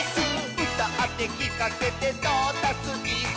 「うたってきかせてトータスイス！」